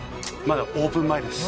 まだオープン前です。